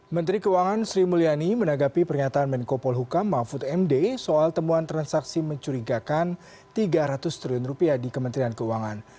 menteri keuangan sri mulyani menanggapi pernyataan menko polhukam mahfud md soal temuan transaksi mencurigakan tiga ratus triliun rupiah di kementerian keuangan